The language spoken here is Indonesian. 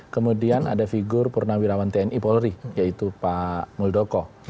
kemudian ada figur purnawirawan tni polri yaitu pak muldoko